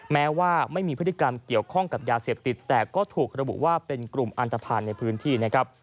แม้ว่าไม่มีพฤติกรรมเกี่ยวข้องกับยาเสพติดแต่ก็ถูกระบุว่าเป็นกลุ่มอันตภัณฑ์ในพื้นที่นะครับ